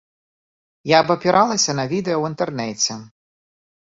Я абапіралася на відэа ў інтэрнэце.